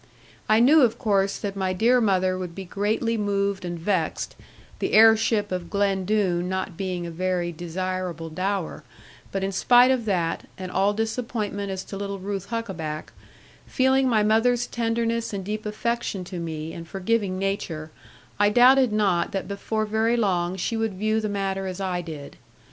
I knew, of course, that my dear mother would be greatly moved and vexed, the heirship of Glen Doone not being a very desirable dower, but in spite of that, and all disappointment as to little Ruth Huckaback, feeling my mother's tenderness and deep affection to me, and forgiving nature, I doubted not that before very long she would view the matter as I did.